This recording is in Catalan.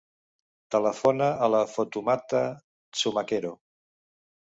Telefona a la Fatoumata Zumaquero.